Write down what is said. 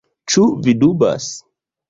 Ĉu vi dubas?